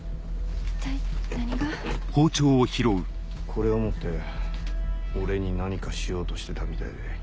これを持って俺に何かしようとしてたみたいで。